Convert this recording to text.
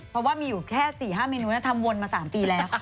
เพราะว่ามีอยู่แค่๔๕เมนูนั้นทำวนมา๓ปีแล้ว